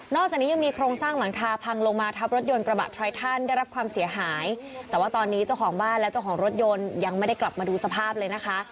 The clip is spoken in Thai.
จากนี้ยังมีโครงสร้างหลังคาพังลงมาทับรถยนต์กระบะไทรทันได้รับความเสียหายแต่ว่าตอนนี้เจ้าของบ้านและเจ้าของรถยนต์ยังไม่ได้กลับมาดูสภาพเลยนะคะ